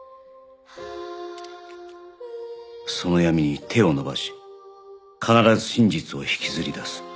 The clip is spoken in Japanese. その闇に手を伸ばし必ず真実を引きずり出す